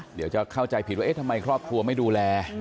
เดี๋ยวจะเข้าใจผิดว่าเอ๊ะทำไมครอบครัวไม่ดูแล